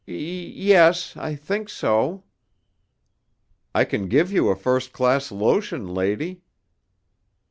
"Y yes, I think so." "I can give you a first class lotion, lady."